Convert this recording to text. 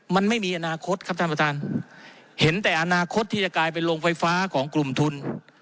มันไม่มีอนาคตครับท่านประธานเห็นแต่อนาคตที่จะกลายเป็นโรงไฟฟ้าของกลุ่มทุน